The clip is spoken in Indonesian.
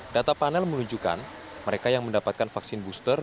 data panel menunjukkan mereka yang mendapatkan vaksin booster